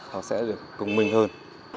họ sẽ được công minh hơn